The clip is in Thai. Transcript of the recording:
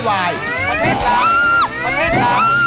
ประเทศหลังประเทศหลัง